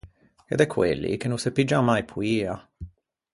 Gh’é de quelli che no se piggian mai poia.